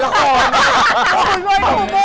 ระคร